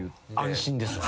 安心ですわ。